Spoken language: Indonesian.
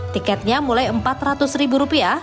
tiketnya mulai empat ratus ribu rupiah